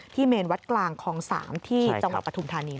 เมนวัดกลางคลอง๓ที่จังหวัดปฐุมธานี